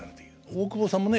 大久保さんもね